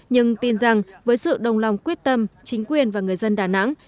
nhưng tin rằng với sự đồng lòng quyết tâm chính quyền và người dân đà nẵng